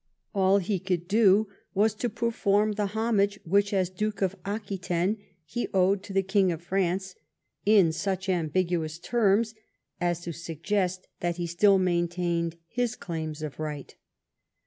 All he could do was to perform the homage which as Duke of Aquitaine he owed to the King of France, in such ambiguous terms as to suggest that he still maintained his claims of right.